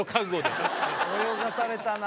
泳がされたな。